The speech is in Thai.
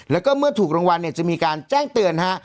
แล้วก็เมื่อถูกรางวัลเนี่ยจะมีการแจ้งเตือนฮะ